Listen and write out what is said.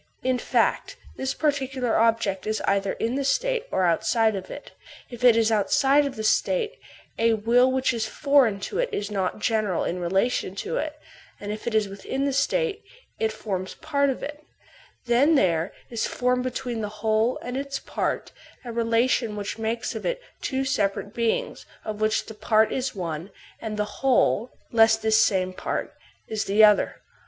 In fact, this particular object is either in the State or outside of it. If it is outside of the State, a will which is foreign to it is not general in relation to it; and if it is within the State, it forms part of it; then there is formed between the whole (30 32 THE SOCIAL CONTRACr and its part a relation which makes of it two separate beings, of which the part is one, and the whole, less this same part, is the other.